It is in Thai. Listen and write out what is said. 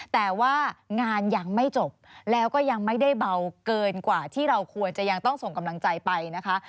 แต่ว่างานยังไม่จบแล้วก็ยังไม่ได้เบาเกินกว่าที่เราควรจะยังต้องส่งกำลังใจไปนะคะ